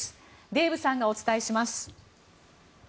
デーブさんがお伝えします。